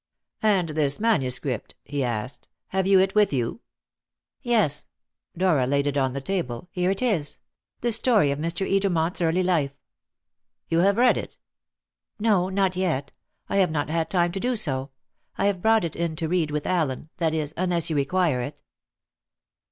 "And this manuscript," he asked; "have you it with you?" "Yes," Dora laid it on the table, "here it is. The story of Mr. Edermont's early life." "You have read it?" "No; not yet. I have not had time to do so. I have brought it in to read with Allen that is, unless you require it."